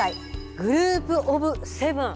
グループオブセブン。